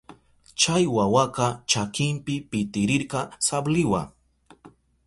Chay wawaka chakinpi pitirirka sabliwa.